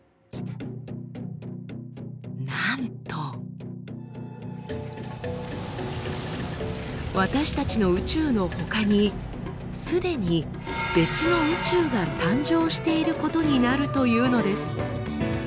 なんと私たちの宇宙のほかにすでに別の宇宙が誕生していることになるというのです。